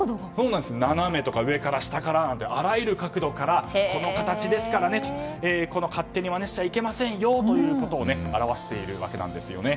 斜めとか上から下からなどあらゆる角度からこの形ですからね勝手にまねしちゃいけませんよと表しているわけなんですよね。